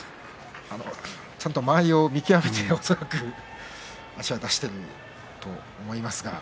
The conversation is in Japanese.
ちゃんと間合いを見極めて恐らく足は出していると思いますが。